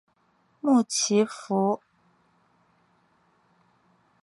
穆奇福。